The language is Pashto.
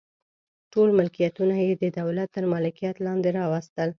ټول ملکیتونه یې د دولت تر مالکیت لاندې راوستل.